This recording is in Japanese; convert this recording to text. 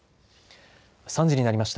３時になりました。